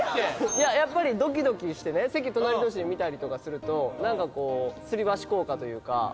いややっぱりドキドキしてね席隣同士で見たりとかするとなんかこうつり橋効果というか。